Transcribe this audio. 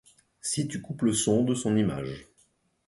Si tu coupes le son de son image.